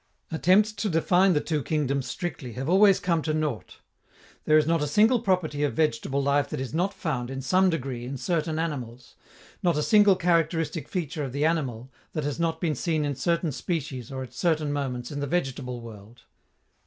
Attempts to define the two kingdoms strictly have always come to naught. There is not a single property of vegetable life that is not found, in some degree, in certain animals; not a single characteristic feature of the animal that has not been seen in certain species or at certain moments in the vegetable world.